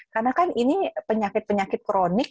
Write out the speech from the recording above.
karena kan ini penyakit penyakit kronik